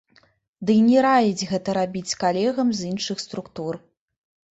Дый не раяць гэта рабіць калегам з іншых структур.